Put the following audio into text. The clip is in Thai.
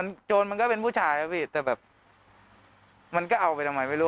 งงหรือของผู้หญิงไม่แปลก